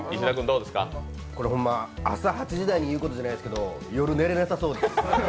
これほんま、朝８時台に言うことじゃないですけど夜、寝れなさそうです。